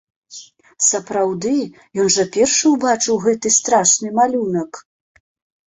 Сапраўды, ён жа першы ўбачыў гэты страшны малюнак!